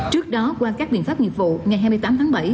trước đó qua các biện pháp nghiệp vụ ngày hai mươi tám tháng bảy